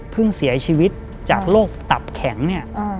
เสียชีวิตจากโรคตับแข็งเนี่ย